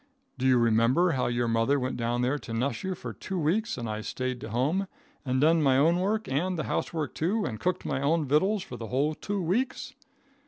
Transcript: Do you remember how your mother went down there to nuss you for two weeks and I stayed to home, and done my own work and the housework too and cooked my own vittles for the whole two weeks?